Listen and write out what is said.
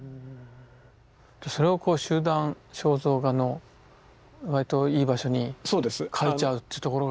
それをこう集団肖像画のわりといい場所に描いちゃうってところが。